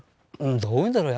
どう言うんだろう